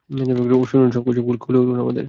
শুনুন, সবকিছু খুলে বলুন আমাদের!